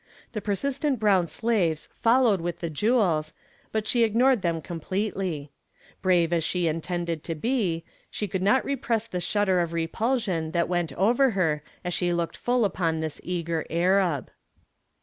The persistent brown slaves followed with the jewels, but she ignored them completely. Brave as she intended to be, she could not repress the shudder of repulsion that went over her as she looked full upon this eager Arab.